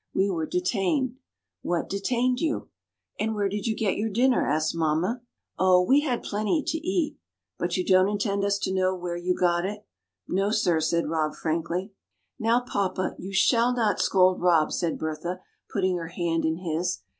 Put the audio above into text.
We were detained." "What detained you?" "And where did you get your dinner?" asked mamma. "Oh, we had plenty to eat." "But you don't intend us to know where you got it?" "No, sir," said Rob, frankly. "Now, papa, you shall not scold Rob," said Bertha, putting her hand in his.